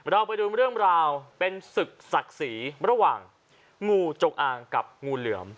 เราไปดูเรื่องราวเป็นศึกศักดิ์ศรีระหว่างงูจงอางกับงูเหลือม